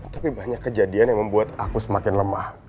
tapi banyak kejadian yang membuat aku semakin lemah